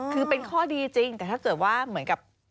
คือเป็นข้อดีจริงแต่ถ้าเกิดว่าเหมือนกับ